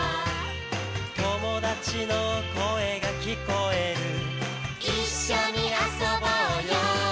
「友達の声が聞こえる」「一緒に遊ぼうよ」